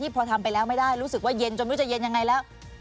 พอทำไปแล้วไม่ได้รู้สึกว่าเย็นจนไม่รู้จะเย็นยังไงแล้ว